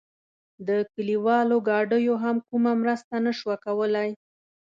د کلیوالو ګاډیو هم کومه مرسته نه شوه کولای.